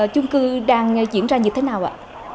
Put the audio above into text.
trung cư đang diễn ra như thế nào ạ